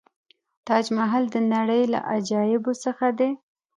تاج محل د نړۍ له عجایبو څخه دی.